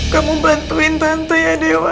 kamu bantuin tante ya dewa